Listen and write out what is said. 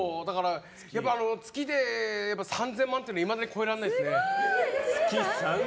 月で３０００万っていうのはいまだに超えられないですね。